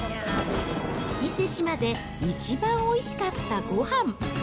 伊勢志摩で一番おいしかったごはん。